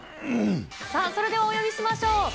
さあそれではお呼びしましょう。